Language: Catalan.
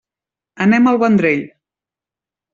Anem al Vendrell.